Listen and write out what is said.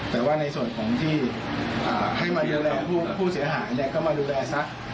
แต่ว่าในส่วนของที่ให้มาดูแลผู้เสียหาย